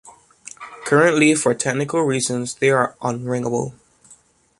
Currently for technical reasons they are unringable.